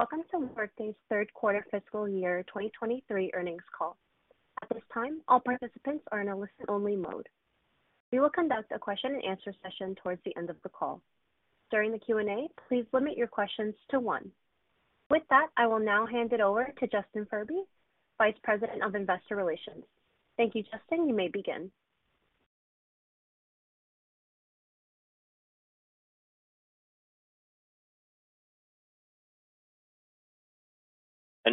Welcome to Workday's Q3 Fiscal Year 2023 Earnings Call. At this time, all participants are in a listen-only mode. We will conduct a question and answer session towards the end of the call. During the Q&A, please limit your questions to one. With that, I will now hand it over to Justin Furby, Vice President of Investor Relations. Thank you, Justin. You may begin.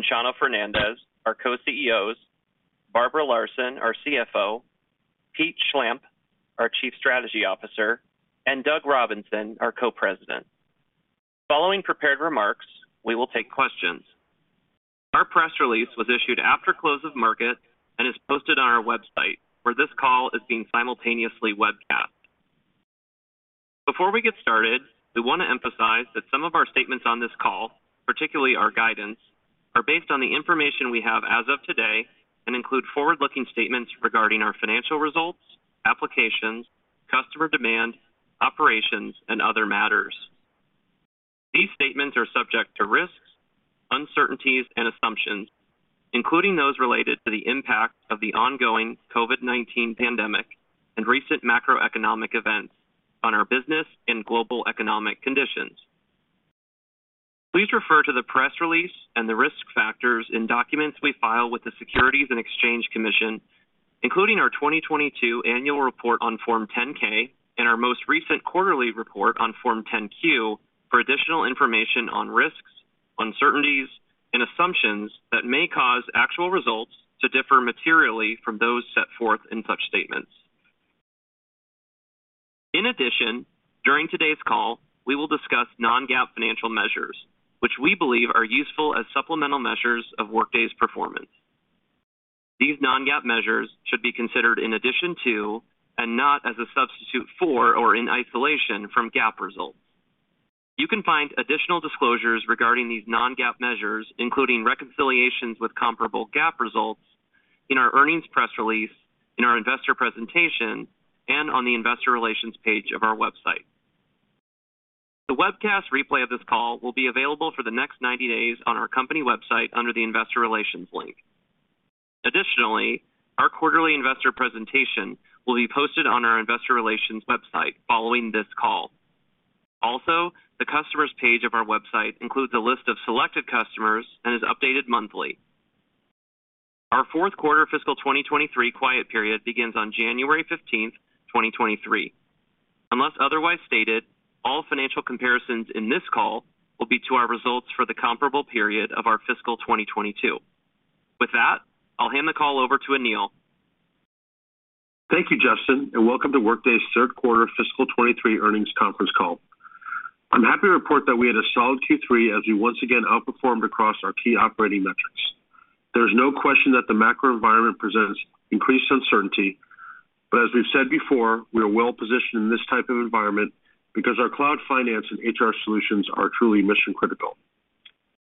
Chano Fernandez, our Co-CEOs, Barbara Larson, our CFO, Pete Schlampp, our Chief Strategy Officer, and Doug Robinson, our Co-President. Following prepared remarks, we will take questions. Our press release was issued after close of market and is posted on our website, where this call is being simultaneously webcast. Before we get started, we want to emphasize that some of our statements on this call, particularly our guidance, are based on the information we have as of today and include forward-looking statements regarding our financial results, applications, customer demand, operations, and other matters. These statements are subject to risks, uncertainties and assumptions, including those related to the impact of the ongoing COVID-19 pandemic and recent macroeconomic events on our business and global economic conditions. Please refer to the press release and the risk factors in documents we file with the Securities and Exchange Commission, including our 2022 annual report on Form 10-K and our most recent quarterly report on Form 10-Q for additional information on risks, uncertainties, and assumptions that may cause actual results to differ materially from those set forth in such statements. In addition, during today's call, we will discuss non-GAAP financial measures, which we believe are useful as supplemental measures of Workday's performance. These non-GAAP measures should be considered in addition to and not as a substitute for or in isolation from GAAP results. You can find additional disclosures regarding these non-GAAP measures, including reconciliations with comparable GAAP results in our earnings press release, in our investor presentation, and on the investor relations page of our website. The webcast replay of this call will be available for the next 90 days on our company website under the Investor Relations link. Our quarterly investor presentation will be posted on our investor relations website following this call. The customers page of our website includes a list of selected customers and is updated monthly. Our Q4 fiscal 2023 quiet period begins on January 15th, 2023. Unless otherwise stated, all financial comparisons in this call will be to our results for the comparable period of our fiscal 2022. With that, I'll hand the call over to Aneel. Thank you, Justin. Welcome to Workday's Q3 Fiscal 2023 Earnings Conference Call. I'm happy to report that we had a solid Q3 as we once again outperformed across our key operating metrics. There's no question that the macro environment presents increased uncertainty. As we've said before, we are well-positioned in this type of environment because our cloud finance and HR solutions are truly mission-critical.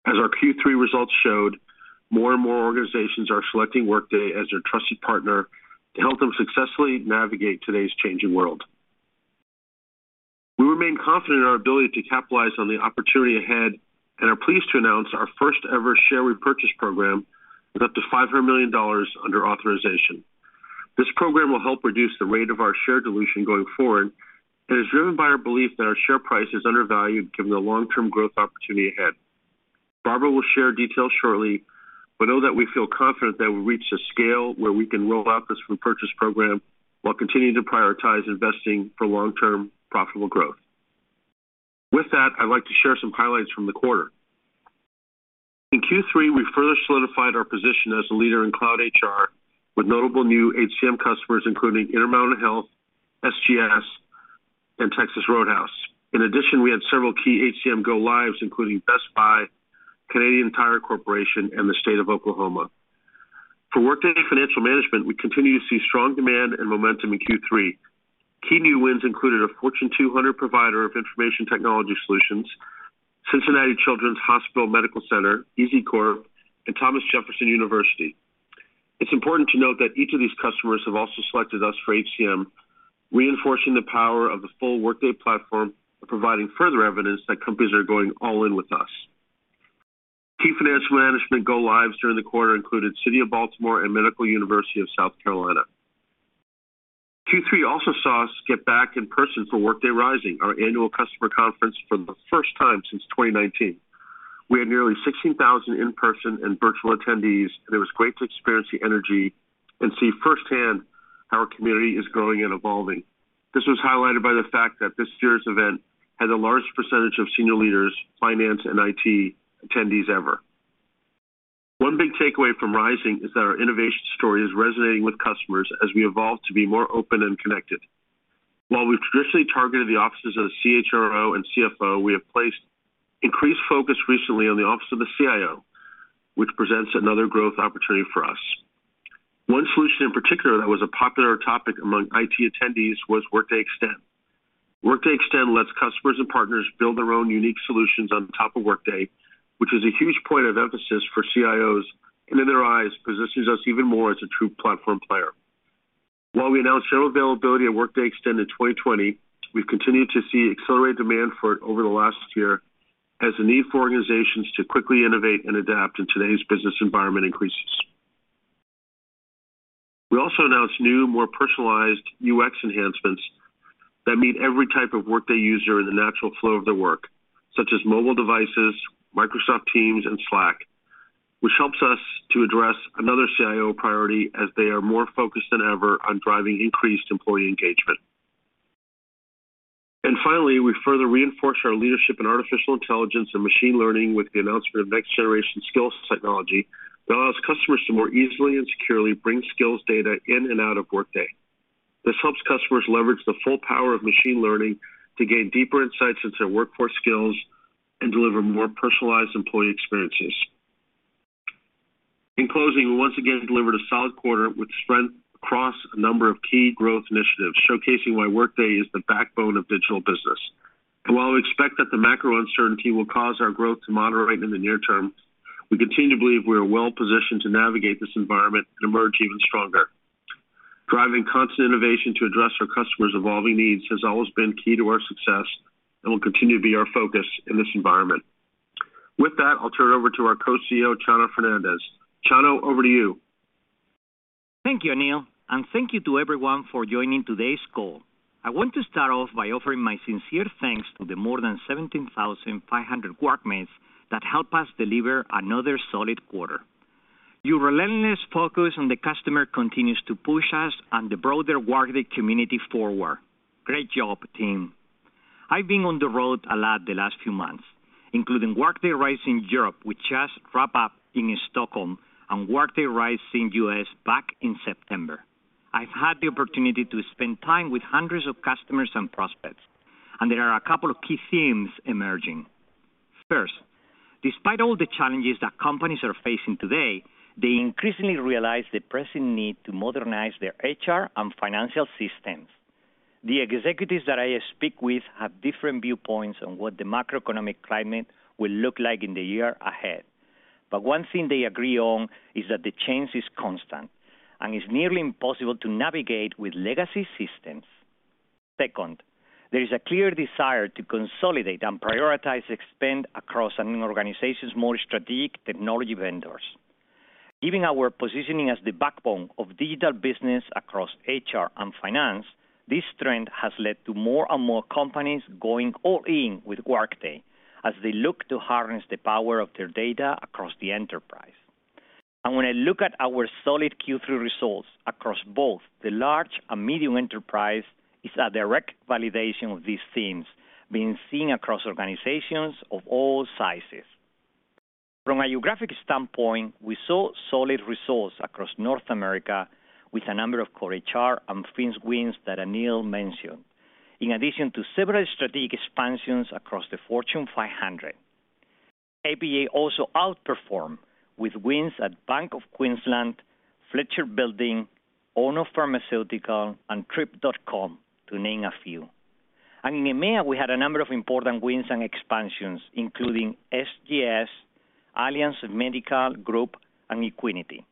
As our Q3 results showed, more and more organizations are selecting Workday as their trusted partner to help them successfully navigate today's changing world. We remain confident in our ability to capitalize on the opportunity ahead. Are pleased to announce our first ever share repurchase program with up to $500 million under authorization. This program will help reduce the rate of our share dilution going forward and is driven by our belief that our share price is undervalued given the long-term growth opportunity ahead. Know that we feel confident that we'll reach a scale where we can roll out this repurchase program while continuing to prioritize investing for long-term profitable growth. With that, I'd like to share some highlights from the quarter. In Q3, we further solidified our position as a leader in cloud HR with notable new HCM customers, including Intermountain Health, SGS, and Texas Roadhouse. In addition, we had several key HCM go-lives, including Best Buy, Canadian Tire Corporation, and the State of Oklahoma. For Workday Financial Management, we continue to see strong demand and momentum in Q3. Key new wins included a Fortune 200 provider of information technology solutions, Cincinnati Children's Hospital Medical Center, EZCORP, and Thomas Jefferson University. It's important to note that each of these customers have also selected us for HCM, reinforcing the power of the full Workday platform and providing further evidence that companies are going all in with us. Key financial management go-lives during the quarter included City of Baltimore and Medical University of South Carolina. Q3 also saw us get back in person for Workday Rising, our annual customer conference for the first time since 2019. We had nearly 16,000 in-person and virtual attendees, and it was great to experience the energy and see firsthand how our community is growing and evolving. This was highlighted by the fact that this year's event had the largest percentage of senior leaders, finance, and IT attendees ever. One big takeaway from Rising is that our innovation story is resonating with customers as we evolve to be more open and connected. We've traditionally targeted the offices of the CHRO and CFO, we have placed increased focus recently on the office of the CIO, which presents another growth opportunity for us. One solution in particular that was a popular topic among IT attendees was Workday Extend. Workday Extend lets customers and partners build their own unique solutions on top of Workday, which is a huge point of emphasis for CIOs and in their eyes, positions us even more as a true platform player. We announced general availability of Workday Extend in 2020, we've continued to see accelerated demand for it over the last year as the need for organizations to quickly innovate and adapt in today's business environment increases. We also announced new, more personalized UX enhancements that meet every type of Workday user in the natural flow of their work, such as mobile devices, Microsoft Teams, and Slack, which helps us to address another CIO priority as they are more focused than ever on driving increased employee engagement. Finally, we further reinforce our leadership in artificial intelligence and machine learning with the announcement of next-generation skills technology that allows customers to more easily and securely bring skills data in and out of Workday. This helps customers leverage the full power of machine learning to gain deeper insights into workforce skills and deliver more personalized employee experiences. In closing, we once again delivered a solid quarter with strength across a number of key growth initiatives, showcasing why Workday is the backbone of digital business. While we expect that the macro uncertainty will cause our growth to moderate in the near term, we continue to believe we are well positioned to navigate this environment and emerge even stronger. Driving constant innovation to address our customers' evolving needs has always been key to our success and will continue to be our focus in this environment. With that, I'll turn it over to our Co-CEO, Chano Fernandez. Chano, over to you. Thank you, Aneel, thank you to everyone for joining today's call. I want to start off by offering my sincere thanks to the more than 17,500 Workmates that help us deliver another solid quarter. Your relentless focus on the customer continues to push us and the broader Workday community forward. Great job, team. I've been on the road a lot the last few months, including Workday Rising in Europe, which just wrapped up in Stockholm and Workday Rising in the U.S. back in September. I've had the opportunity to spend time with hundreds of customers and prospects, and there are a couple of key themes emerging. First, despite all the challenges that companies are facing today, they increasingly realize the pressing need to modernize their HR and financial systems. The executives that I speak with have different viewpoints on what the macroeconomic climate will look like in the year ahead. One thing they agree on is that the change is constant and is nearly impossible to navigate with legacy systems. Second, there is a clear desire to consolidate and prioritize spend across an organization's more strategic technology vendors. Given our positioning as the backbone of digital business across HR and finance, this trend has led to more and more companies going all in with Workday as they look to harness the power of their data across the enterprise. When I look at our solid Q3 results across both the large and medium enterprise is a direct validation of these themes being seen across organizations of all sizes. From a geographic standpoint, we saw solid results across North America with a number of core HR and Fins wins that Aneel mentioned. In addition to several strategic expansions across the Fortune 500. APJ also outperformed with wins at Bank of Queensland, Fletcher Building, Ono Pharmaceutical, and Trip.com, to name a few. In EMEA, we had a number of important wins and expansions, including SGS, Alliance Medical Group, and Equiniti.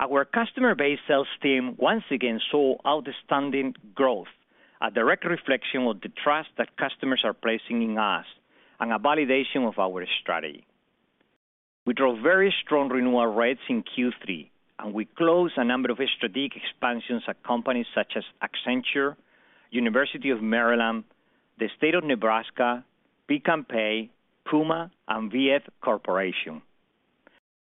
Our customer-based sales team once again saw outstanding growth, a direct reflection of the trust that customers are placing in us and a validation of our strategy. We drove very strong renewal rates in Q3, and we closed a number of strategic expansions at companies such as Accenture, University of Maryland, the State of Nebraska, Beacon Pay, Puma, and VF Corporation.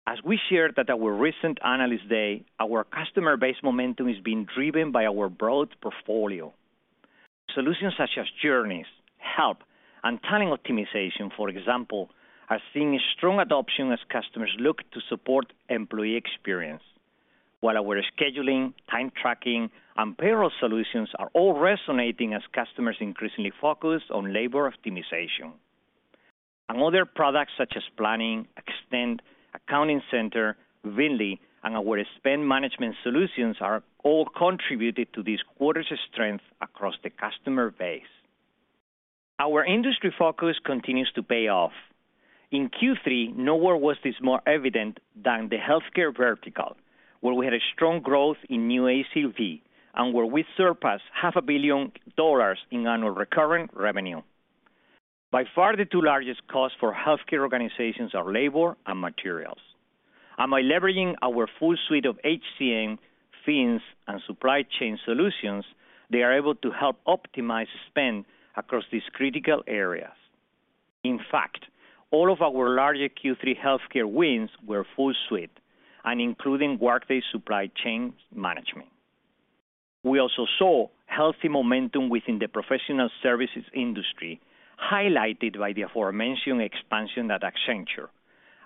As we shared at our recent Analyst Day, our customer base momentum is being driven by our broad portfolio. Solutions such as Journeys, Help, and Talent Optimization, for example, are seeing strong adoption as customers look to support employee experience. While our scheduling, time tracking, and payroll solutions are all resonating as customers increasingly focus on labor optimization. Other products such as Planning, Extend, Accounting Center, VNDLY, and our spend management solutions are all contributed to this quarter's strength across the customer base. Our industry focus continues to pay off. In Q3, nowhere was this more evident than the healthcare vertical, where we had a strong growth in new ACV and where we surpassed half a billion dollars in annual recurring revenue. By far, the 2 largest costs for healthcare organizations are labor and materials. By leveraging our full suite of HCM, Fins, and supply chain solutions, they are able to help optimize spend across these critical areas. In fact, all of our larger Q3 healthcare wins were full suite and including Workday Supply Chain Management. We also saw healthy momentum within the professional services industry, highlighted by the aforementioned expansion at Accenture,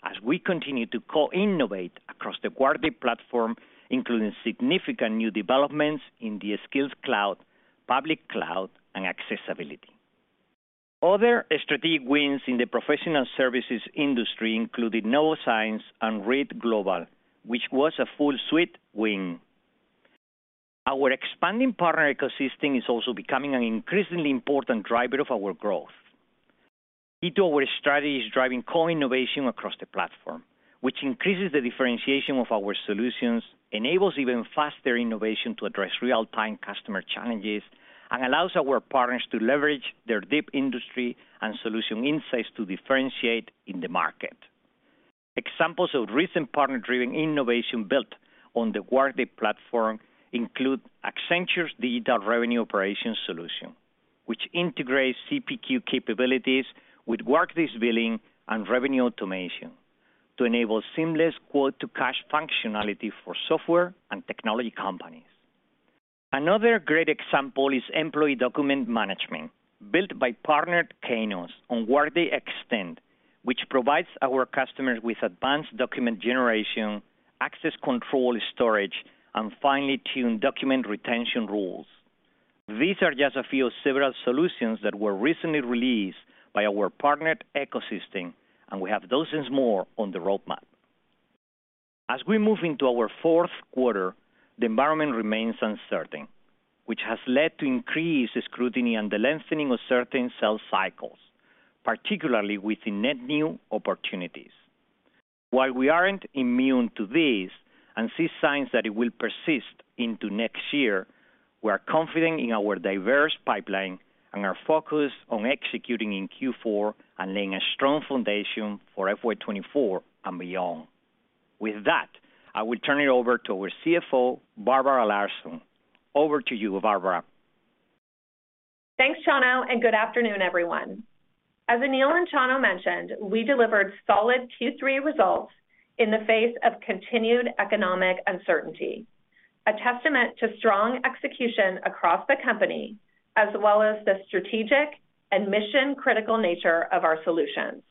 as we continue to co-innovate across the Workday platform, including significant new developments in the Workday Skills Cloud, public cloud, and accessibility. Other strategic wins in the professional services industry included Novozymes and Reed Global, which was a full suite win. Our expanding partner ecosystem is also becoming an increasingly important driver of our growth. Key to our strategy is driving core innovation across the platform, which increases the differentiation of our solutions, enables even faster innovation to address real-time customer challenges, and allows our partners to leverage their deep industry and solution insights to differentiate in the market. Examples of recent partner-driven innovation built on the Workday platform include Accenture's digital revenue operations solution, which integrates CPQ capabilities with Workday's billing and revenue automation to enable seamless quote-to-cash functionality for software and technology companies. Another great example is employee document management, built by partnered Kainos on Workday Extend, which provides our customers with advanced document generation, access control storage, and finely tuned document retention rules. These are just a few of several solutions that were recently released by our partnered ecosystem, and we have dozens more on the roadmap. As we move into our Q4, the environment remains uncertain, which has led to increased scrutiny and the lengthening of certain sales cycles, particularly within net new opportunities. While we aren't immune to this and see signs that it will persist into next year, we are confident in our diverse pipeline and are focused on executing in Q4 and laying a strong foundation for FY 2024 and beyond. With that, I will turn it over to our CFO, Barbara Larson. Over to you, Barbara. Thanks, Chano. Good afternoon, everyone. As Aneel and Chano mentioned, we delivered solid Q3 results in the face of continued economic uncertainty, a testament to strong execution across the company as well as the strategic and mission-critical nature of our solutions.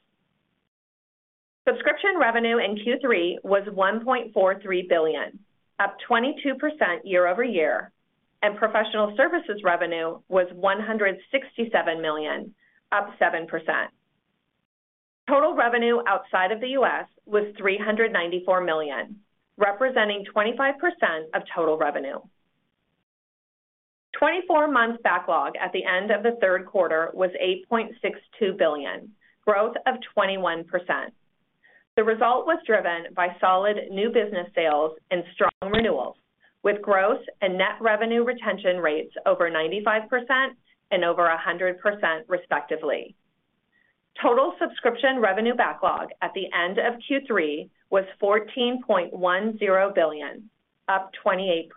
Subscription revenue in Q3 was $1.43 billion, up 22% year-over-year, and professional services revenue was $167 million, up 7%. Total revenue outside of the U.S. was $394 million, representing 25% of total revenue. 24-month backlog at the end of the Q3 was $8.62 billion, growth of 21%. The result was driven by solid new business sales and strong renewals, with growth and Net Revenue Retention rates over 95% and over 100% respectively. Total subscription revenue backlog at the end of Q3 was $14.10 billion, up 28%.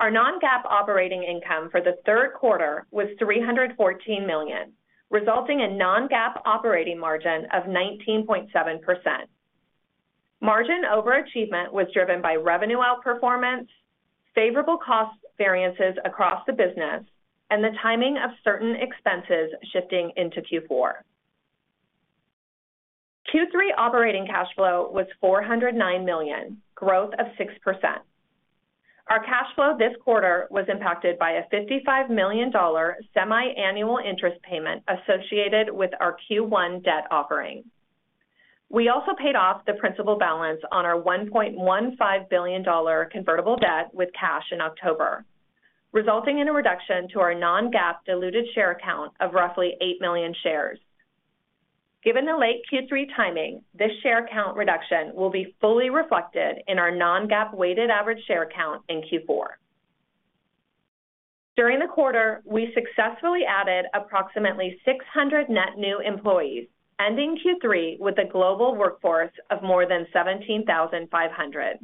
Our non-GAAP operating income for the Q3 was $314 million, resulting in non-GAAP operating margin of 19.7%. Margin overachievement was driven by revenue outperformance, favorable cost variances across the business, and the timing of certain expenses shifting into Q4. Q3 operating cash flow was $409 million, growth of 6%. Our cash flow this quarter was impacted by a $55 million semi-annual interest payment associated with our Q1 debt offering. We also paid off the principal balance on our $1.15 billion convertible debt with cash in October, resulting in a reduction to our non-GAAP diluted share count of roughly 8 million shares. Given the late Q3 timing, this share count reduction will be fully reflected in our non-GAAP weighted average share count in Q4. During the quarter, we successfully added approximately 600 net new employees, ending Q3 with a global workforce of more than 17,500.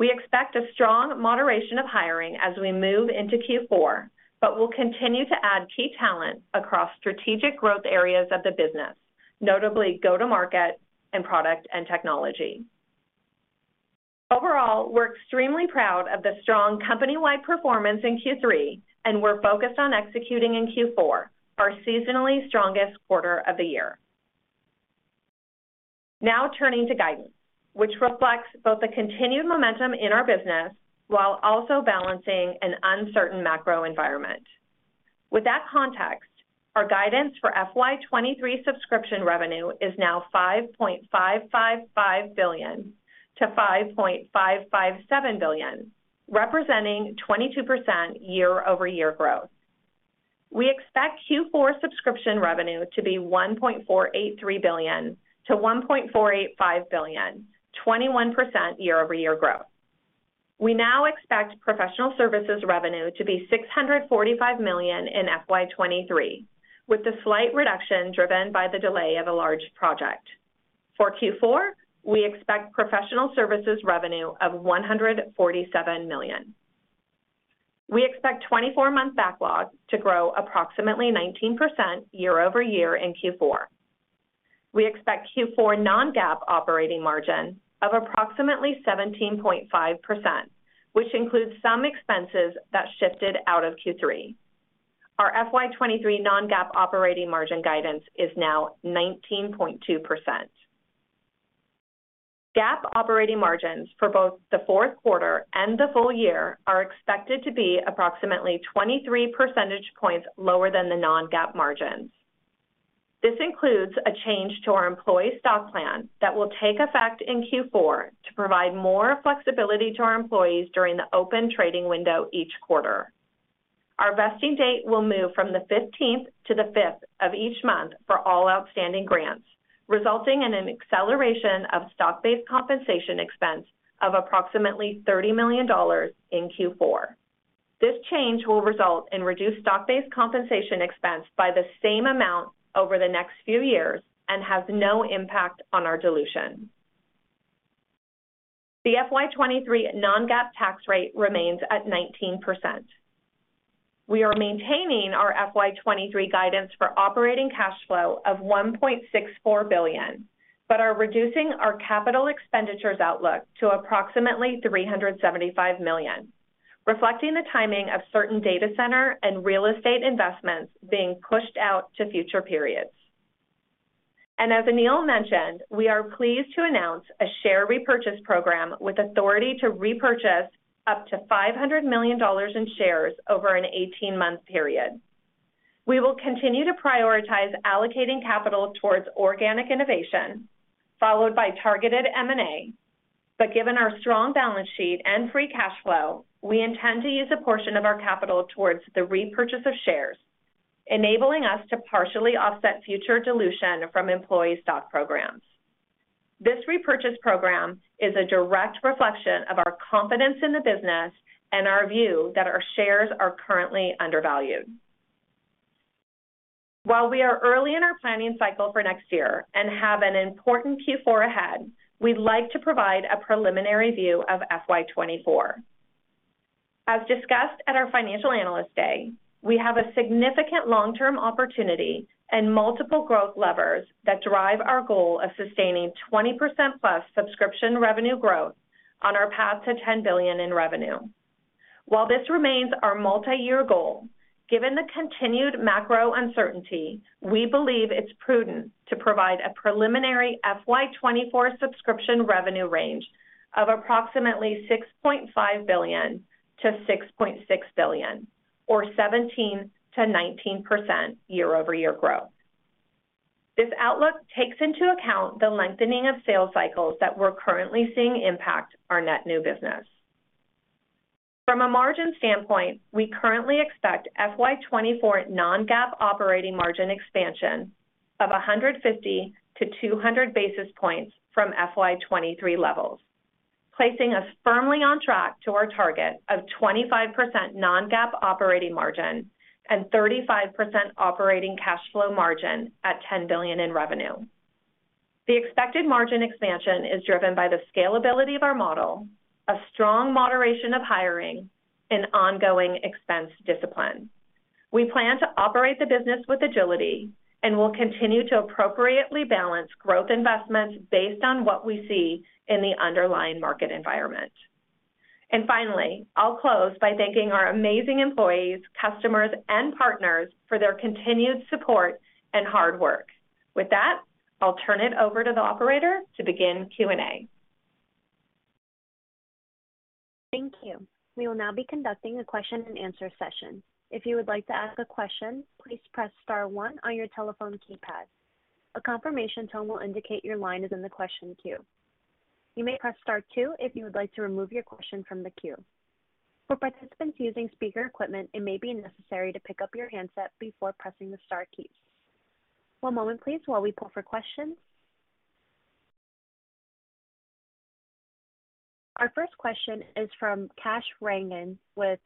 We expect a strong moderation of hiring as we move into Q4, but we'll continue to add key talent across strategic growth areas of the business, notably go-to-market and product and technology. Overall, we're extremely proud of the strong company-wide performance in Q3, and we're focused on executing in Q4, our seasonally strongest quarter of the year. Now turning to guidance, which reflects both the continued momentum in our business while also balancing an uncertain macro environment. With that context, our guidance for FY 2023 subscription revenue is now $5.555 billion to $5.557 billion, representing 22% year-over-year growth. We expect Q4 subscription revenue to be $1.483 billion-$1.485 billion, 21% year-over-year growth. We now expect professional services revenue to be $645 million in FY 2023, with the slight reduction driven by the delay of a large project. For Q4, we expect professional services revenue of $147 million. We expect 24-month backlogs to grow approximately 19% year-over-year in Q4. We expect Q4 non-GAAP operating margin of approximately 17.5%, which includes some expenses that shifted out of Q3. Our FY 2023 non-GAAP operating margin guidance is now 19.2%. GAAP operating margins for both the Q4 and the full year are expected to be approximately 23 percentage points lower than the non-GAAP margins. This includes a change to our employee stock plan that will take effect in Q4 to provide more flexibility to our employees during the open trading window each quarter. Our vesting date will move from the 15th to the 5th of each month for all outstanding grants, resulting in an acceleration of stock-based compensation expense of approximately $30 million in Q4. This change will result in reduced stock-based compensation expense by the same amount over the next few years and has no impact on our dilution. The FY 2023 non-GAAP tax rate remains at 19%. We are maintaining our FY 2023 guidance for operating cash flow of $1.64 billion, but are reducing our CapEx outlook to approximately $375 million, reflecting the timing of certain data center and real estate investments being pushed out to future periods. As Aneel mentioned, we are pleased to announce a share repurchase program with authority to repurchase up to $500 million in shares over an 18-month period. We will continue to prioritize allocating capital towards organic innovation, followed by targeted M&A. Given our strong balance sheet and free cash flow, we intend to use a portion of our capital towards the repurchase of shares, enabling us to partially offset future dilution from employee stock programs. This repurchase program is a direct reflection of our confidence in the business and our view that our shares are currently undervalued. While we are early in our planning cycle for next year and have an important Q4 ahead, we'd like to provide a preliminary view of FY 2024. As discussed at our Financial Analyst Day, we have a significant long-term opportunity and multiple growth levers that drive our goal of sustaining 20%+ subscription revenue growth on our path to $10 billion in revenue. While this remains our multi-year goal, given the continued macro uncertainty, we believe it's prudent to provide a preliminary FY 2024 subscription revenue range of approximately $6.5 billion to $6.6 billion, or 17% to 19% year-over-year growth. This outlook takes into account the lengthening of sales cycles that we're currently seeing impact our net new business. From a margin standpoint, we currently expect FY 2024 non-GAAP operating margin expansion of 150 to 200 basis points from FY 2023 levels, placing us firmly on track to our target of 25% non-GAAP operating margin and 35% operating cash flow margin at $10 billion in revenue. The expected margin expansion is driven by the scalability of our model, a strong moderation of hiring, and ongoing expense discipline. We plan to operate the business with agility, We'll continue to appropriately balance growth investments based on what we see in the underlying market environment. Finally, I'll close by thanking our amazing employees, customers, and partners for their continued support and hard work. With that, I'll turn it over to the operator to begin Q&A. Thank you. We will now be conducting a question-and-answer session. If you would like to ask a question, please press star one on your telephone keypad. A confirmation tone will indicate your line is in the question queue. You may press star two if you would like to remove your question from the queue. For participants using speaker equipment, it may be necessary to pick up your handset before pressing the star keys. One moment please while we pull for questions. Our first question is from Kash Rangan with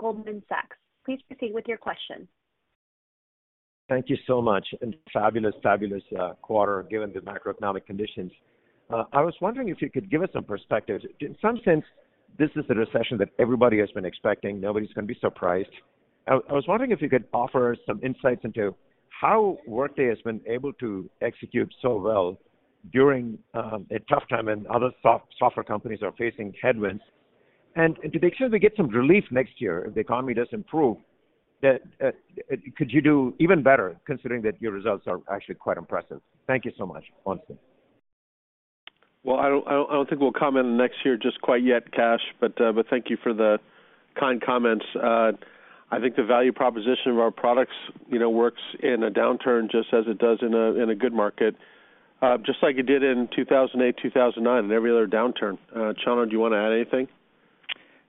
Goldman Sachs. Please proceed with your question. Thank you so much. Fabulous quarter given the macroeconomic conditions. I was wondering if you could give us some perspective. In some sense, this is a recession that everybody has been expecting. Nobody's gonna be surprised. I was wondering if you could offer some insights into how Workday has been able to execute so well during a tough time and other soft-software companies are facing headwinds. To the extent we get some relief next year if the economy does improve, could you do even better considering that your results are actually quite impressive? Thank you so much. Honestly. Well, I don't think we'll comment on next year just quite yet, Kash, but thank you for the kind comments. I think the value proposition of our products, works in a downturn just as it does in a good market, just like it did in 2008, 2009, and every other downturn. Chano, do you wanna add anything?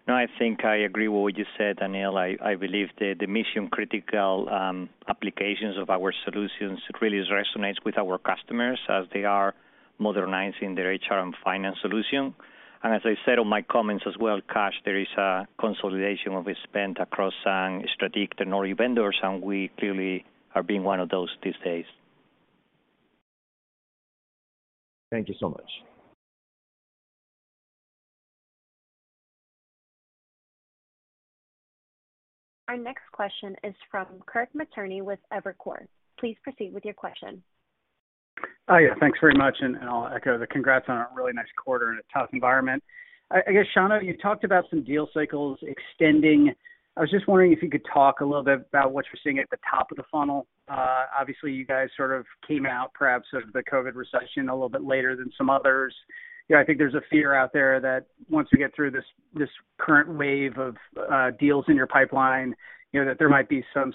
I think I agree with what you said, Aneel. I believe the mission-critical applications of our solutions really resonates with our customers as they are modernizing their HR and finance solution. As I said on my comments as well, Kash, there is a consolidation of spend across some strategic and newer vendors, and we clearly are being one of those these days. Thank you so much. Our next question is from Kirk Materne with Evercore. Please proceed with your question. Hi. Thanks very much, and I'll echo the congrats on a really nice quarter in a tough environment. I guess, Chano, you talked about some deal cycles extending. I was just wondering if you could talk a little bit about what you're seeing at the top of the funnel. Obviously, you guys sort of came out perhaps of the COVID recession a little bit later than some others. I think there's a fear out there that once we get through this current wave of deals in your pipeline that there might be some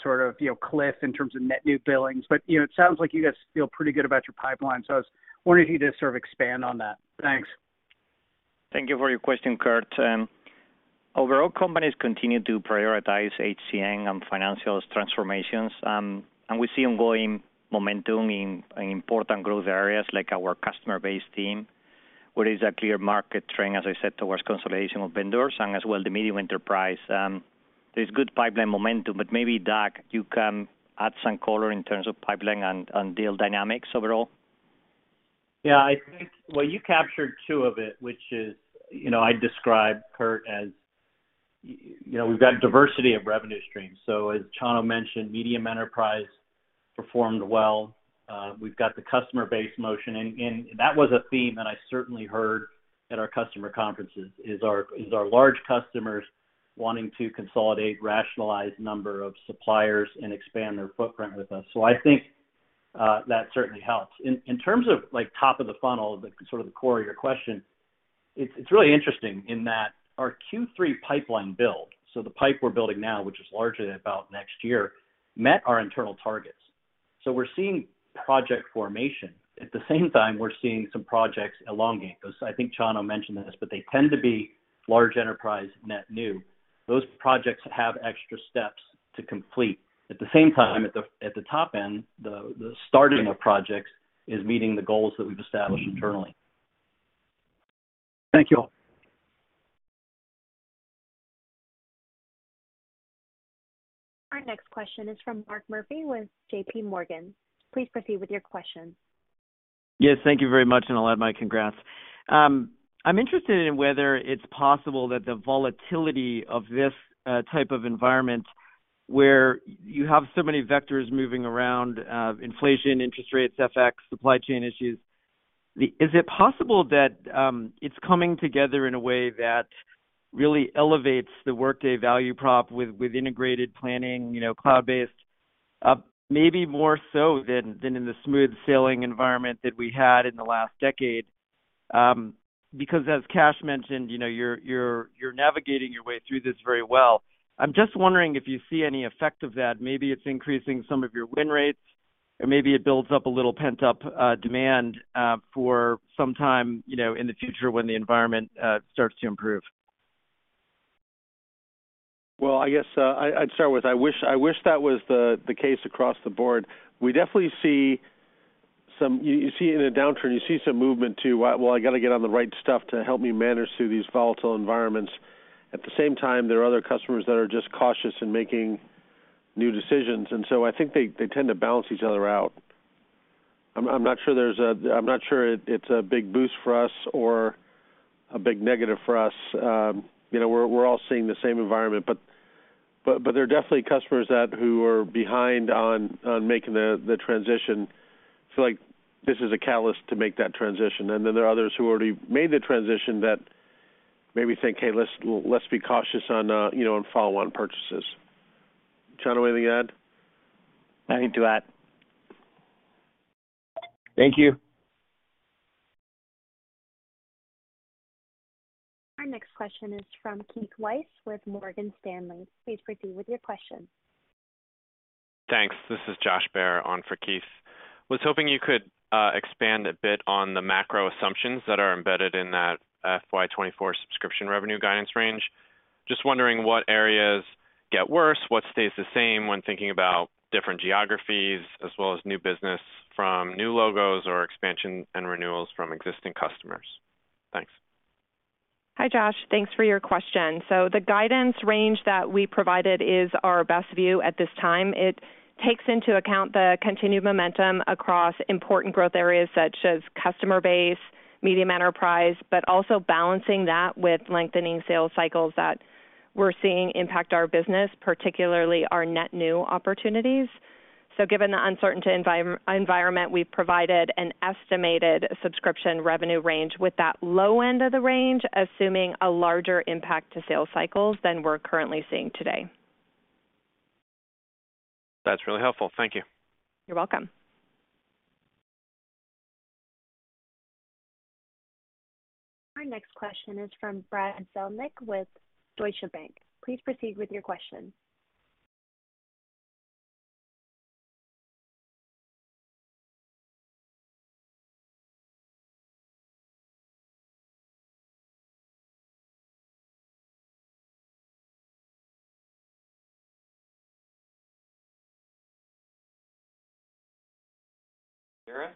cliff in terms of net new billings. It sounds like you guys feel pretty good about your pipeline. I was wondering if you could just sort of expand on that. Thanks. Thank you for your question, Kirk. Overall companies continue to prioritize HCM on financials transformations. We see ongoing momentum in important growth areas like our customer base team. What is a clear market trend, as I said, towards consolidation of vendors and as well the medium enterprise. There's good pipeline momentum, but maybe, Doug, you can add some color in terms of pipeline and deal dynamics overall. Well, you captured two of it, which is I describe, Kirk, as we've got diversity of revenue streams. As Chano mentioned, medium enterprise performed well. We've got the customer base motion and that was a theme that I certainly heard at our customer conferences, is our large customers wanting to consolidate, rationalize number of suppliers and expand their footprint with us. I think that certainly helps. In terms of, like, top of the funnel, the sort of the core of your question, it's really interesting in that our Q3 pipeline build, so the pipe we're building now, which is largely about next year, met our internal targets. We're seeing project formation. At the same time, we're seeing some projects elongate. Because I think Chano mentioned this, but they tend to be large enterprise net new. Those projects have extra steps to complete. At the same time, at the top end, the starting of projects is meeting the goals that we've established internally. Thank you. Our next question is from Mark Murphy with J.P. Morgan. Please proceed with your question. Yes, thank you very much, and I'll add my congrats. I'm interested in whether it's possible that the volatility of this type of environment where you have so many vectors moving around, inflation, interest rates, FX, supply chain issues. Is it possible that it's coming together in a way that really elevates the Workday value prop with integrated planning, cloud-based, maybe more so than in the smooth sailing environment that we had in the last decade? As Kash mentioned, you're navigating your way through this very well. I'm just wondering if you see any effect of that. Maybe it's increasing some of your win rates or maybe it builds up a little pent-up demand for some time, in the future when the environment starts to improve. Well, I guess, I'd start with I wish that was the case across the board. We definitely see some. You see in a downturn, you see some movement to, well, I get on the right stuff to help me manage through these volatile environments. At the same time, there are other customers that are just cautious in making new decisions. They tend to balance each other out. I'm not sure it's a big boost for us or a big negative for us. We're all seeing the same environment. There are definitely customers that who are behind on making the transition feel like this is a catalyst to make that transition. There are others who already made the transition that maybe think, "Hey, let's be cautious on, you know, on follow-on purchases." Chano, anything to add? Nothing to add. Thank you. Our next question is from Keith Weiss with Morgan Stanley. Please proceed with your question. Thanks. This is Josh Baer on for Keith. Was hoping you could expand a bit on the macro assumptions that are embedded in that FY 2024 subscription revenue guidance range. Just wondering what areas get worse, what stays the same when thinking about different geographies as well as new business from new logos or expansion and renewals from existing customers. Thanks. Hi, Josh. Thanks for your question. The guidance range that we provided is our best view at this time. It takes into account the continued momentum across important growth areas such as customer base, medium enterprise, but also balancing that with lengthening sales cycles that we're seeing impact our business, particularly our net new opportunities. Given the uncertain environment, we've provided an estimated subscription revenue range with that low end of the range, assuming a larger impact to sales cycles than we're currently seeing today. That's really helpful. Thank you. You're welcome. Our next question is from Brad Zelnick with Deutsche Bank. Please proceed with your question. Sarah?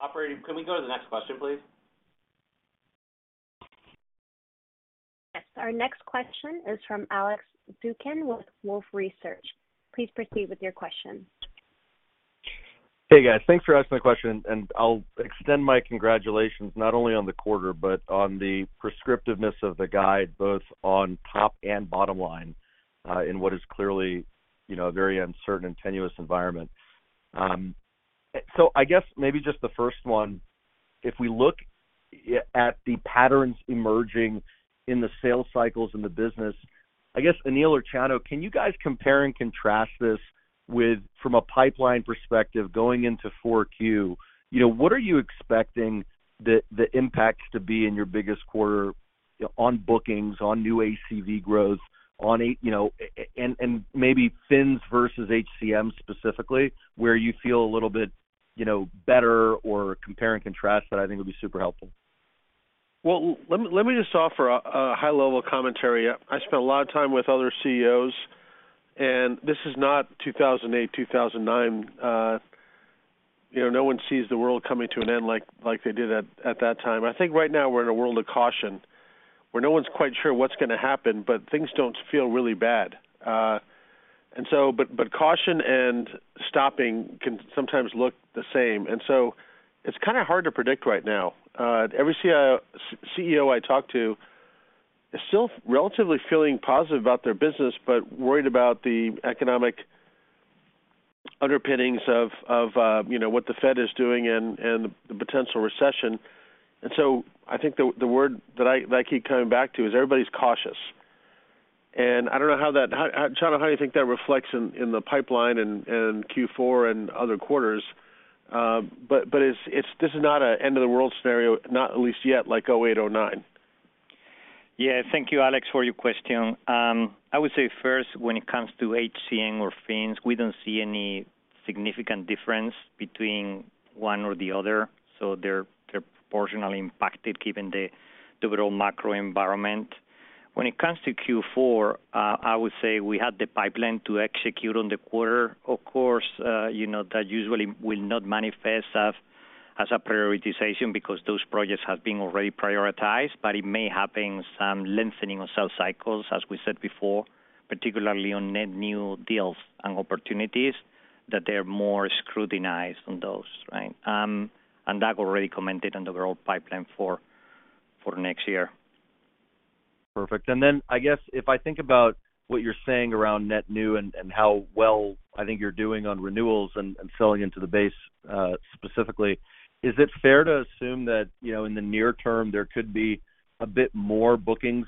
Operator, can we go to the next question, please? Yes. Our next question is from Alex Zukin with Wolfe Research. Please proceed with your question. Hey, guys. Thanks for asking the question. I'll extend my congratulations not only on the quarter but on the prescriptiveness of the guide, both on top and bottom line, in what is clearly, a very uncertain and tenuous environment. I guess maybe just the first one, if we look at the patterns emerging in the sales cycles in the business, I guess, Aneel or Chano, can you guys compare and contrast? From a pipeline perspective, going into 4Q, what are you expecting the impacts to be in your biggest quarter on bookings, on new ACV growth, and maybe Fins versus HCM specifically, where you feel a little bit, you know, better or compare and contrast that I think would be super helpful? Well, let me just offer a high-level commentary. I spent a lot of time with other CEOs, this is not 2008, 2009. No one sees the world coming to an end like they did at that time. I think right now we're in a world of caution, where no one's quite sure what's gonna happen, but things don't feel really bad. But caution and stopping can sometimes look the same. It's kinda hard to predict right now. Every CEO I talk to is still relatively feeling positive about their business, but worried about the economic underpinnings of what the Fed is doing and the potential recession. I think the word that I, that I keep coming back to is everybody's cautious. I don't know Chano, how do you think that reflects in the pipeline and Q4 and other quarters? But this is not a end-of-the-world scenario, not at least yet, like 2008, 2009. Yeah. Thank you, Alex, for your question. I would say first, when it comes to HCM or Fins, we don't see any significant difference between one or the other. They're proportionally impacted given the broad macro environment. When it comes to Q4, I would say we had the pipeline to execute on the quarter. Of course, that usually will not manifest as a prioritization because those projects have been already prioritized, but it may happen some lengthening of sales cycles, as we said before, particularly on net new deals and opportunities that they're more scrutinized on those, right? Doug already commented on the growth pipeline for next year. Perfect. I guess if I think about what you're saying around net new and how well I think you're doing on renewals and selling into the base, specifically, is it fair to assume that in the near term, there could be a bit more bookings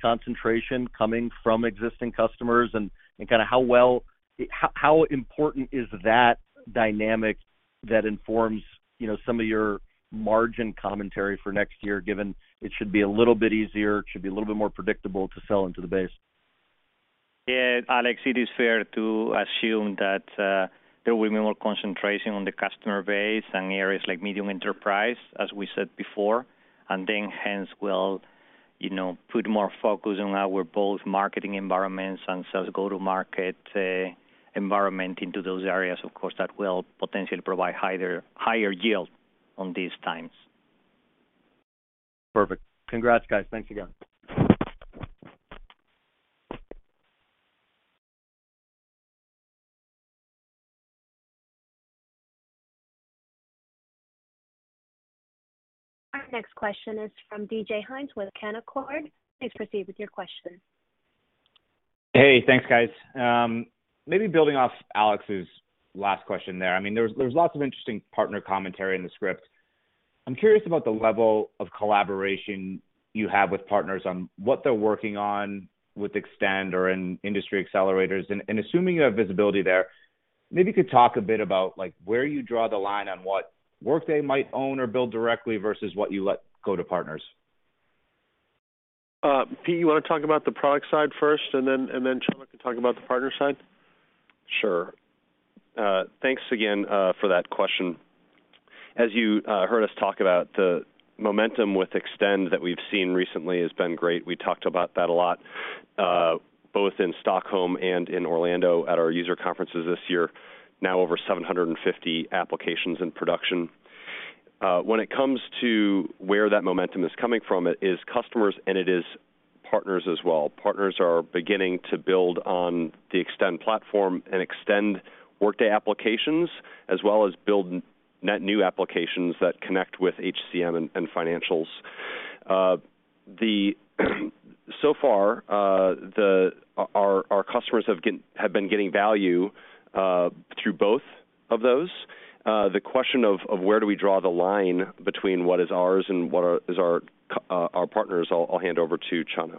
concentration coming from existing customers and kinda how important is that dynamic that informs some of your margin commentary for next year, given it should be a little bit easier, it should be a little bit more predictable to sell into the base? Yeah. Alex, it is fair to assume that there will be more concentration on the customer base and areas like medium enterprise, as we said before. Hence we'll put more focus on our both marketing environments and sales go-to-market environment into those areas. Of course, that will potentially provide higher yield on these times. Perfect. Congrats, guys. Thanks again. Our next question is from David Hynes with Canaccord. Please proceed with your question. Hey, thanks, guys. Maybe building off Alex's last question there, I mean, there's lots of interesting partner commentary in the script. I'm curious about the level of collaboration you have with partners on what they're working on with Extend or in industry accelerators. Assuming you have visibility there, maybe you could talk a bit about like where you draw the line on what Workday might own or build directly versus what you let go to partners? Pete, you wanna talk about the product side first, and then Chano can talk about the partner side? Sure. Thanks again for that question. As you heard us talk about the momentum with Extend that we've seen recently has been great. We talked about that a lot both in Stockholm and in Orlando at our user conferences this year. Now over 750 applications in production. When it comes to where that momentum is coming from, it is customers and it is partners as well. Partners are beginning to build on the Extend platform and Extend Workday applications, as well as build net new applications that connect with HCM and financials. So far, our customers have been getting value through both of those. The question of where do we draw the line between what is ours and our partners, I'll hand over to Chano.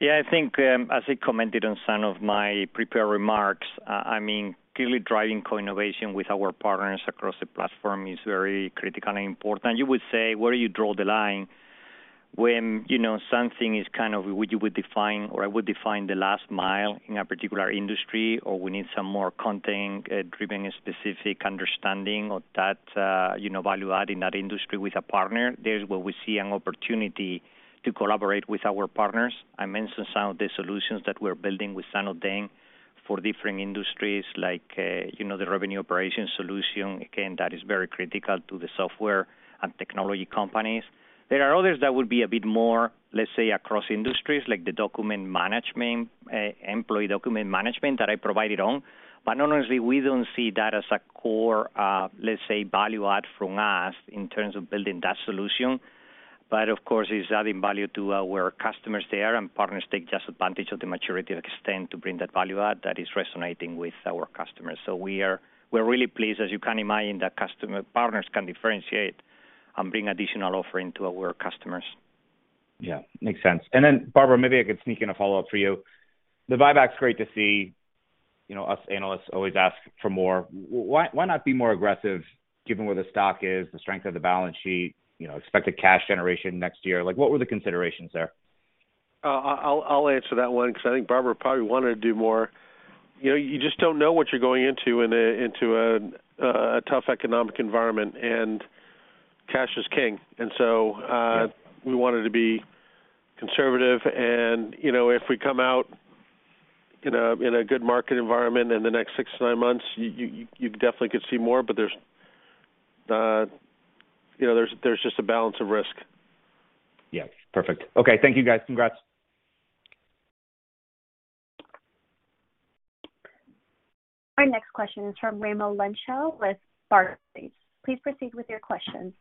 Yeah. I think, as I commented on some of my prepared remarks, I mean, clearly driving co-innovation with our partners across the platform is very critically important. You would say, where do you draw the line when something is kind of we define or I would define the last mile in a particular industry, or we need some more content driven specific understanding of that, value add in that industry with a partner. There's where we see an opportunity to collaborate with our partners. I mentioned some of the solutions that we're building with Samsung SDS for different industries like the revenue operations solution. Again, that is very critical to the software and technology companies. There are others that would be a bit more, let's say, across industries, like the document management, employee document management that I provided on. Honestly, we don't see that as a core, let's say, value add from us in terms of building that solution. Of course, it's adding value to our customers there, and partners take just advantage of the maturity of Extend to bring that value add that is resonating with our customers. We're really pleased, as you can imagine, that customer partners can differentiate and bring additional offering to our customers. Yeah, makes sense. Barbara, maybe I could sneak in a follow-up for you. The buyback is great to see us analysts always ask for more. Why not be more aggressive given where the stock is, the strength of the balance sheet, expected cash generation next year? What were the considerations there? I'll answer that one because I think Barbara probably wanted to do more. You just don't know what you're going into in a, into a tough economic environment, and cash is king. We wanted to be conservative and if we come out in a, in a good market environment in the next six to nine months, you definitely could see more. There's just a balance of risk. Yeah. Perfect. Okay. Thank you, guys. Congrats. Our next question is from Raimo Lenschow with Barclays. Please proceed with your question.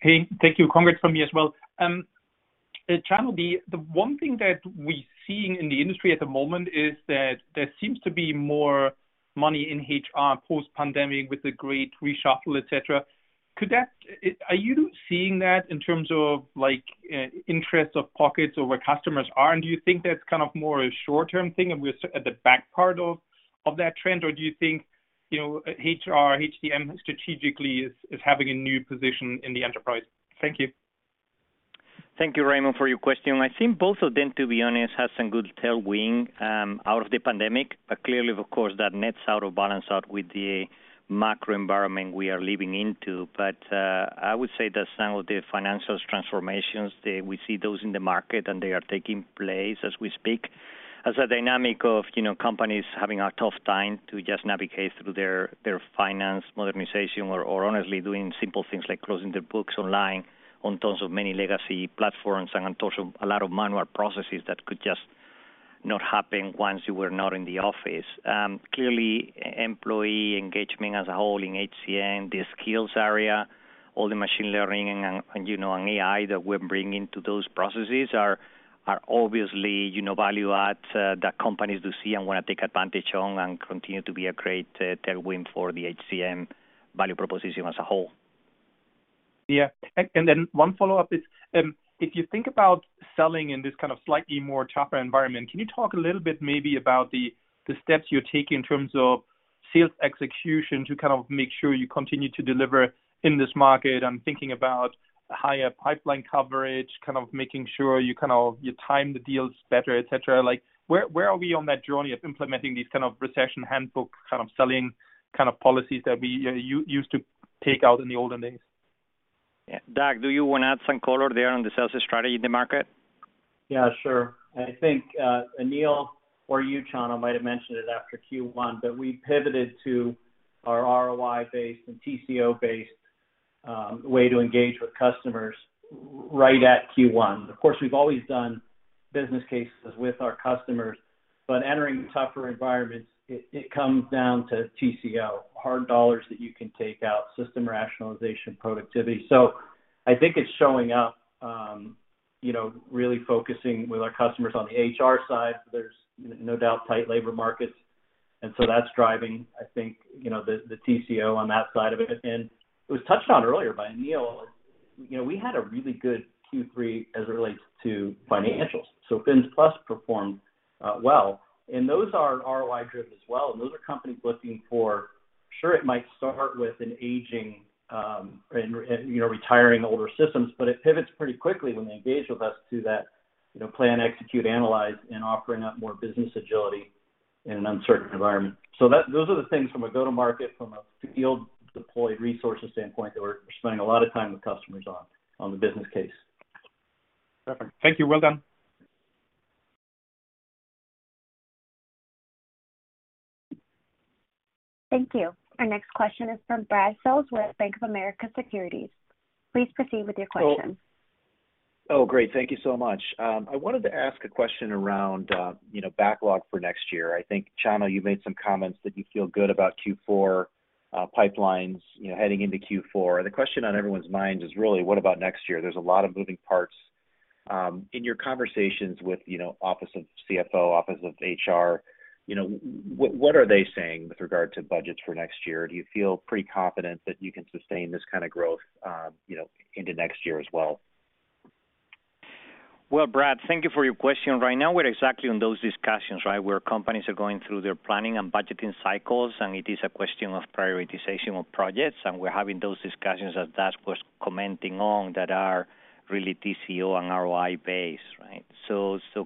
Hey, thank you. Congrats from me as well. Chano, the one thing that we're seeing in the industry at the moment is that there seems to be more money in HR post-pandemic with the great reshuffle, et cetera. Are you seeing that in terms of like interest of pockets or where customers are? Do you think that's kind of more a short-term thing, and we're at the back part of that trend? Or do you think HR, HCM strategically is having a new position in the enterprise? Thank you. Thank you, Raimo, for your question. I think both of them, to be honest, have some good tailwind out of the pandemic. Clearly, of course, that nets out or balance out with the macro environment we are leading into. I would say that some of the Financials transformations. We see those in the market, and they are taking place as we speak, as a dynamic of companies having a tough time to just navigate through their finance modernization or honestly doing simple things like closing their books online on tons of many legacy platforms and on top of a lot of manual processes that could just not happen once you were not in the office. Clearly, employee engagement as a whole in HCM, the skills area, all the machine learning and AI that we're bringing to those processes are obviously, value add that companies do see and want to take advantage on and continue to be a great tailwind for the HCM value proposition as a whole. Yeah. One follow-up is, if you think about selling in this kind of slightly more tougher environment, can you talk a little bit maybe about the steps you're taking in terms of sales execution to kind of make sure you continue to deliver in this market? I'm thinking about higher pipeline coverage, kind of making sure you time the deals better, et cetera. Where are we on that journey of implementing these kind of recession handbook kind of selling kind of policies that we used to take out in the olden days? Yeah. Doug, do you want to add some color there on the sales strategy in the market? Yeah, sure. I think Aneel or you, Chano, might have mentioned it after Q1, but we pivoted to our ROI-based and TCO-based way to engage with customers right at Q1. Of course, we've always done business cases with our customers, but entering tougher environments, it comes down to TCO, hard dollars that you can take out, system rationalization, productivity. I think it's showing up really focusing with our customers on the HR side. There's no doubt tight labor markets, that's driving, the TCO on that side of it. It was touched on earlier by Aneel. We had a really good Q3 as it relates to financials. Financials+ performed well, and those are ROI driven as well. Those are companies looking for. Sure, it might start with an aging and retiring older systems, but it pivots pretty quickly when they engage with us to that plan, execute, analyze, and offering up more business agility in an uncertain environment. That those are the things from a go-to-market, from a field deployed resources standpoint, that we're spending a lot of time with customers on the business case. Perfect. Thank you. Well done. Thank you. Our next question is from Brad Sills with Bank of America Securities. Please proceed with your question. Great. Thank you so much. I wanted to ask a question around backlog for next year. I think, Chano, you made some comments that you feel good about Q4 pipelines heading into Q4. The question on everyone's mind is really, what about next year? There's a lot of moving parts. In your conversations with office of CFO, office of HR, what are they saying with regard to budgets for next year? Do you feel pretty confident that you can sustain this growth into next year as well? Well, Brad, thank you for your question. Right now, we're exactly on those discussions, right? Where companies are going through their planning and budgeting cycles, and it is a question of prioritization of projects, and we're having those discussions that Doug was commenting on that are really TCO and ROI based, right?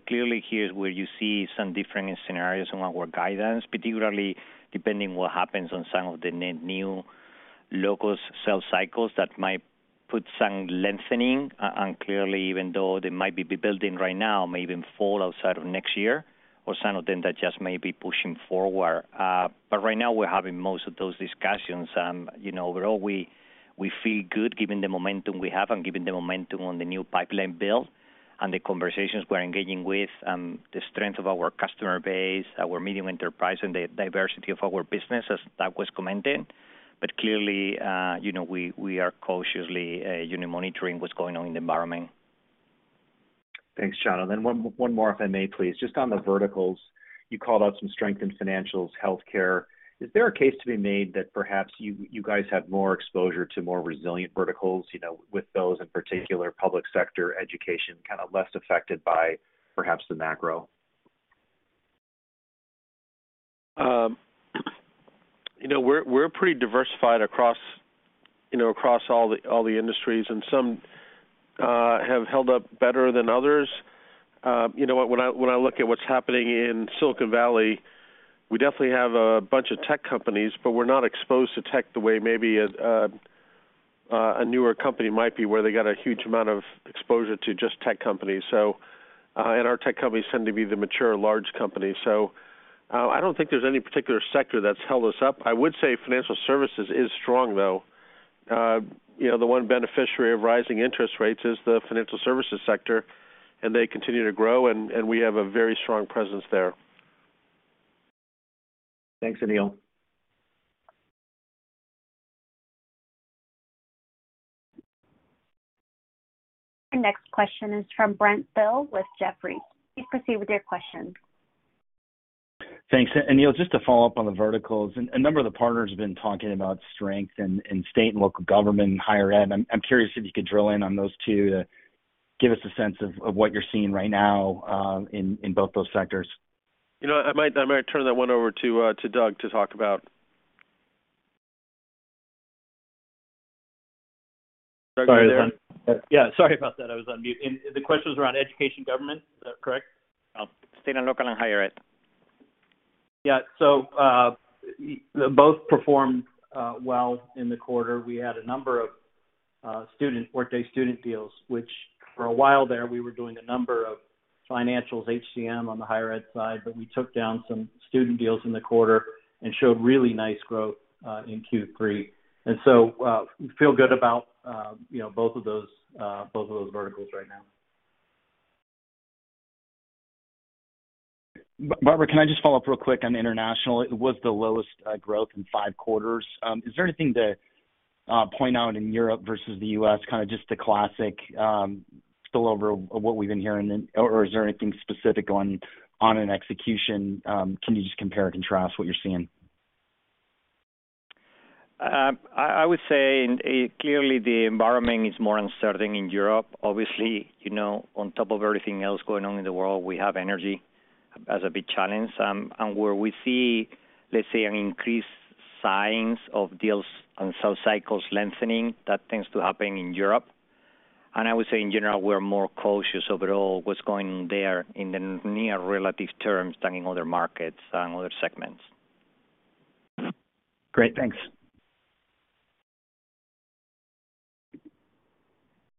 Clearly here is where you see some different scenarios on our guidance, particularly depending what happens on some of the new local sales cycles that might put some lengthening. And clearly, even though they might be building right now, maybe in fall or side of next year or some of them that just may be pushing forward. Right now we're having most of those discussions. Overall, we feel good given the momentum we have and given the momentum on the new pipeline build and the conversations we're engaging with and the strength of our customer base, our medium enterprise and the diversity of our business, as Doug was commenting. Clearly, we are cautiously monitoring what's going on in the environment. Thanks, Chano. One more, if I may, please? Just on the verticals. You called out some strength in financials, healthcare. Is there a case to be made that perhaps you guys have more exposure to more resilient verticals with those in particular public sector education, kind of less affected by perhaps the macro? We're pretty diversified across all the industries and some have held up better than others. You know what, when I look at what's happening in Silicon Valley, we definitely have a bunch of tech companies, but we're not exposed to tech the way maybe a newer company might be, where they got a huge amount of exposure to just tech companies. Our tech companies tend to be the mature large companies. I don't think there's any particular sector that's held us up. I would say financial services is strong, though. The one beneficiary of rising interest rates is the financial services sector, and they continue to grow, and we have a very strong presence there. Thanks, Aneel. Our next question is from Brent Thill with Jefferies. Please proceed with your question. Thanks. Aneel, just to follow up on the verticals, a number of the partners have been talking about strength in state and local government and higher ed. I'm curious if you could drill in on those two to give us a sense of what you're seeing right now in both those sectors. I might turn that one over to Doug to talk about. Sorry. Yeah, sorry about that. I was on mute. The question was around education government, is that correct? State and local and higher ed. Yeah. Both performed well in the quarter. We had a number of Workday Student deals, which for a while there we were doing a number of financials, HCM on the higher ed side, but we took down some student deals in the quarter and showed really nice growth in Q3. Feel good about both of those, both of those verticals right now. Barbara, can I just follow up real quick on international? It was the lowest growth in five quarters. Is there anything to point out in Europe versus the US, kind of just a classic spillover of what we've been hearing, or is there anything specific going on in execution? Can you just compare and contrast what you're seeing? I would say clearly the environment is more uncertain in Europe. Obviously, on top of everything else going on in the world, we have energy as a big challenge. Where we see, let's say, an increased signs of deals and sales cycles lengthening, that tends to happen in Europe. I would say in general, we're more cautious overall what's going there in the near relative terms than in other markets and other segments. Great. Thanks.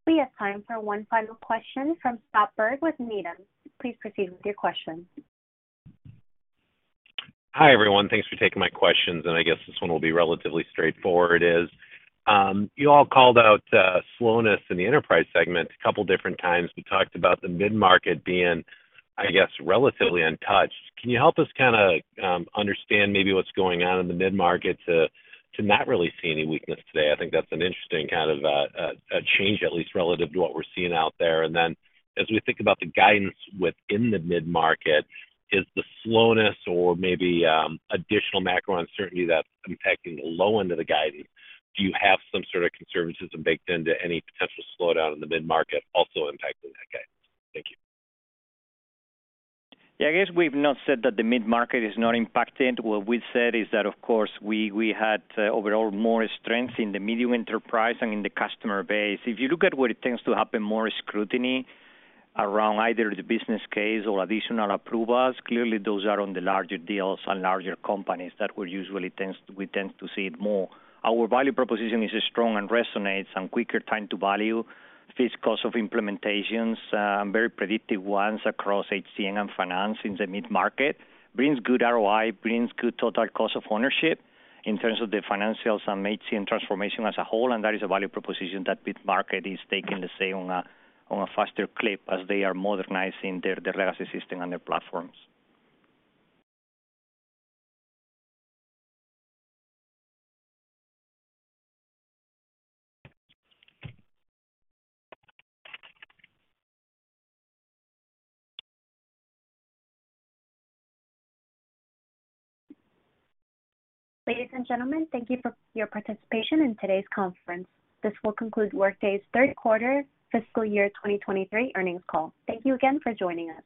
We have time for one final question from Scott Berg with Needham. Please proceed with your question. Hi, everyone. Thanks for taking my questions. I guess this one will be relatively straightforward, is, you all called out slowness in the enterprise segment a couple different times. We talked about the mid-market being, I guess, relatively untouched. Can you help us understand maybe what's going on in the mid-market to not really see any weakness today? I think that's an interesting kind of a change, at least relative to what we're seeing out there. Then as we think about the guidance within the mid-market, is the slowness or maybe additional macro uncertainty that's impacting the low end of the guidance, do you have some sort of conservatism baked into any potential slowdown in the mid-market also impacting that guidance? Thank you. I guess we've not said that the mid-market is not impacted. What we said is that, of course, we had overall more strength in the medium enterprise and in the customer base. If you look at where it tends to happen, more scrutiny around either the business case or additional approvals, clearly those are on the larger deals and larger companies that we tend to see it more. Our value proposition is strong and resonates, and quicker time to value, fixed cost of implementations, very predictive ones across HCM and finance in the mid-market. Brings good ROI, brings good total cost of ownership in terms of the financials and HCM transformation as a whole. That is a value proposition that mid-market is taking to say on a, on a faster clip as they are modernizing their legacy system and their platforms. Ladies and gentlemen, thank you for your participation in today's conference. This will conclude Workday's Q3 Fiscal Year 2023 Earnings Call. Thank you again for joining us.